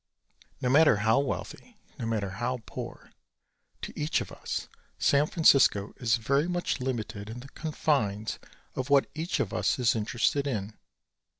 No matter how wealthy, no matter how poor, to each of us San Francisco is very much limited in the confines of what each of us is interested in.